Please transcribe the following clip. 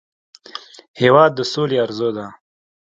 هېواد د سولې ارزو ده.